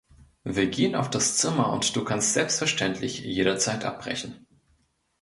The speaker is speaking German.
Wir gehen auf das Zimmer und du kannst selbstverständlich jederzeit abbrechen.